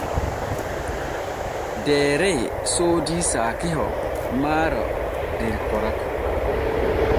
Deere soodi saakiho maaro der Koraku.